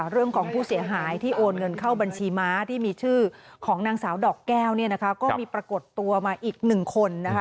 เรื่องของผู้เสียหายที่โอนเงินเข้าบัญชีม้าที่มีชื่อของนางสาวดอกแก้วก็มีปรากฏตัวมาอีก๑คน